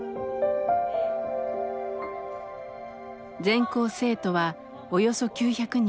全校生徒はおよそ９００人。